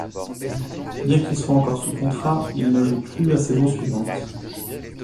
Bien qu'il soit encore sous contrat, il ne joue plus la saison suivante.